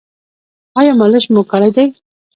ایا مالش مو کړی دی؟